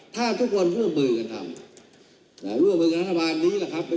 ดรารวนนี้ค่ะดีกว่าที่ผมทำตอนนี้กันก่อน